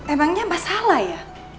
emangnya mbak salah ya